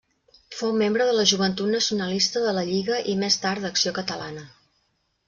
Fou membre de la Joventut Nacionalista de la Lliga i més tard d'Acció Catalana.